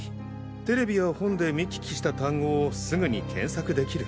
ＴＶや本で見聞きした単語をすぐに検索できる。